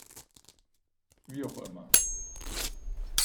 Wie auch immer.